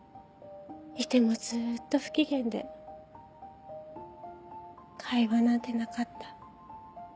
いてもずっと不機嫌で会話なんてなかった。